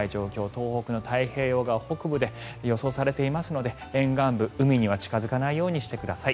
東北の太平洋側北部で予想されていますので沿岸部、海には近付かないようにしてください。